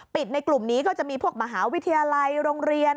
ในกลุ่มนี้ก็จะมีพวกมหาวิทยาลัยโรงเรียน